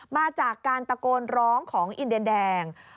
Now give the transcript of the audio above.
มาจากการตะโกนร้องของอินเดียแดง